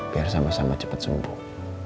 biar sama sama cepat sembuh